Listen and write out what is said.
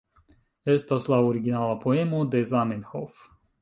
Estas la originala poemo de Zamenhof